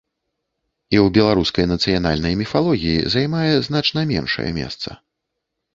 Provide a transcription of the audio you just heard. І ў беларускай нацыянальнай міфалогіі займае значна меншае месца.